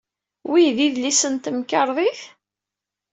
Wi d idlisen n temkarḍit?